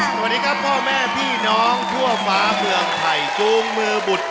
ระหว่างเด็กกับผู้ใหญ่ระหว่างเด็กกับผู้ใหญ่